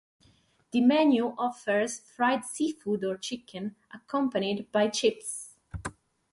The menu offers fried seafood or chicken, accompanied by chips.